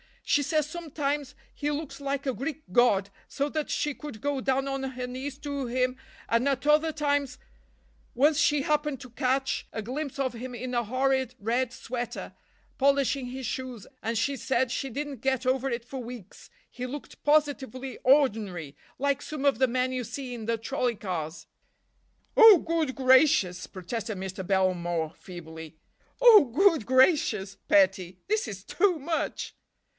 She says sometimes he looks like a Greek god, so that she could go down on her knees to him, and at other times—Once she happened to catch a glimpse of him in a horrid red sweater, polishing his shoes, and she said she didn't get over it for weeks, he looked positively ordinary, like some of the men you see in the trolley cars." "Oh, good gracious!" protested Mr. Belmore feebly. "Oh, good gracious, petty! This is too much."